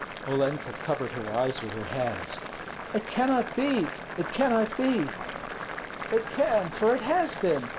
Olenka covered her eyes with her hands. "It cannot be! it cannot be!" "It can, for it has been.